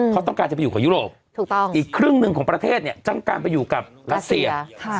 เขาต้องการจะไปอยู่กับยุโรปถูกต้องอีกครึ่งหนึ่งของประเทศเนี่ยต้องการไปอยู่กับรัสเซีย